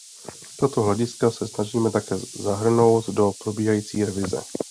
Tato hlediska se snažíme také zahrnout do probíhající revize.